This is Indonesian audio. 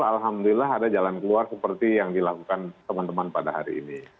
alhamdulillah ada jalan keluar seperti yang dilakukan teman teman pada hari ini